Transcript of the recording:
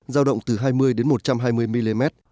giao động từ hai mươi đến một trăm hai mươi mm